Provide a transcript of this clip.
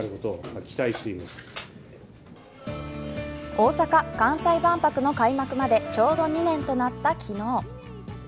大阪・関西万博の開幕までちょうど２年となった昨日。